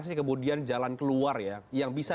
sih kemudian jalan keluar ya yang bisa